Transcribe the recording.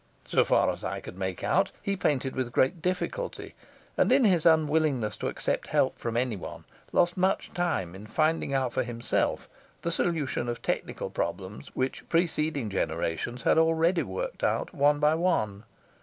So far as I could make out, he painted with great difficulty, and in his unwillingness to accept help from anyone lost much time in finding out for himself the solution of technical problems which preceding generations had already worked out one by one.